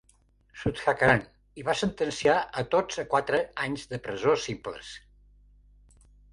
Sudhakaran, i va sentenciar a tots a quatre anys de presó simples.